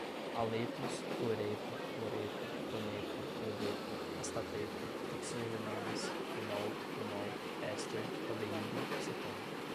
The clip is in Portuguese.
haletos, fluoreto, cloreto, brometo, iodeto, astateto, oxigenadas, enol, fenol, éster, aldeído, cetona